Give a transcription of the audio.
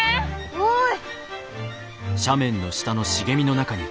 おい。